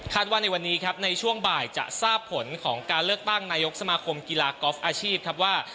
ว่าในวันนี้ครับในช่วงบ่ายจะทราบผลของการเลือกตั้งนายกสมาคมกีฬากอล์ฟอาชีพครับว่า